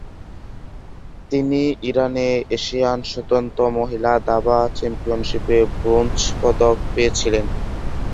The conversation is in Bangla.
তিনি ইরানে এশিয়ান স্বতন্ত্র মহিলা দাবা চ্যাম্পিয়নশিপে ব্রোঞ্জ পদক পেয়েছিলেন।